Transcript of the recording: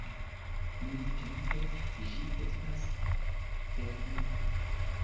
Nuntempe, ĝi estas fermita".